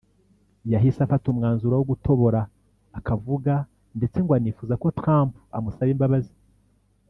yahise afata umwanzuro wo gutobora akavuga ndetse ngo anifuza ko Trump amusaba imbabazi